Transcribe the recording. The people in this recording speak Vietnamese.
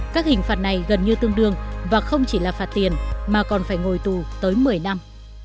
các hình phạt này gần như tương đương và không chỉ là phạt tiền mà còn phải ngồi tù tới một mươi năm